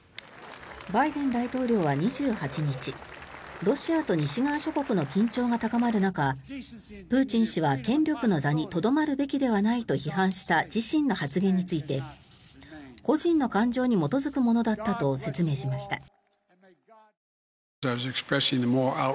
バイデン大統領は２８日ロシアと西側諸国の緊張が高まる中プーチン氏は権力の座にとどまるべきではないと批判した自身の発言について個人の感情に基づくものだったと説明しました。